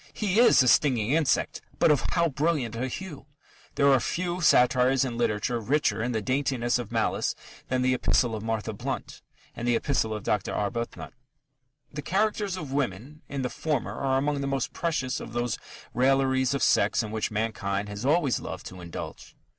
He is a stinging insect, but of how brilliant a hue! There are few satires in literature richer in the daintiness of malice than the Epistle to Martha Blount and the Epistle to Dr. Arbuthnot. The "characters" of women in the former are among the most precious of those railleries of sex in which mankind has always loved to indulge.